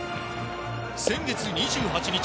先月２８日